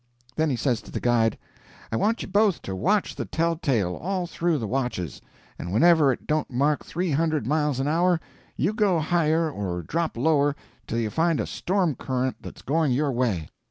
Then he says to the guide, "I want you both to watch the tell tale all through the watches, and whenever it don't mark three hundred miles an hour, you go higher or drop lower till you find a storm current that's going your way.